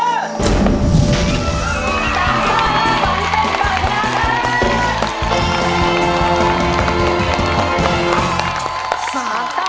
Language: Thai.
สากต้ารฟันเป็นฝ่ายชนะครับ